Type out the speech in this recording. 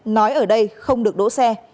nói ở đây không được đỗ xe